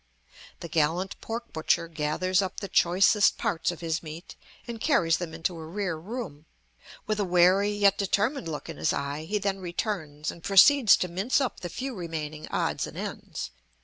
The gallant pork butcher gathers up the choicest parts of his meat and carries them into a rear room; with a wary yet determined look in his eye he then returns, and proceeds to mince up the few remaining odds and ends.